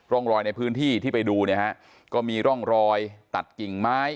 รอยในพื้นที่ที่ไปดูเนี่ยฮะก็มีร่องรอยตัดกิ่งไม้